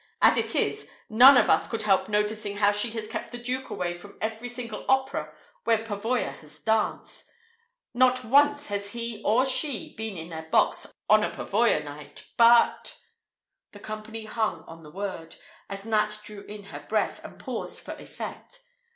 As it is, none of us could help noticing how she has kept the Duke away from every single opera where Pavoya has danced. Not once has he or she been in their box on a Pavoya night. But " The company hung on the word, as Nat drew in her breath, and paused for effect.